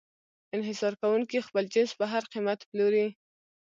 انحصار کوونکی خپل جنس په هر قیمت پلوري.